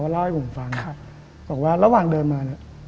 เล่าให้ผมฟังบอกว่าระหว่างเดินมาเนี่ย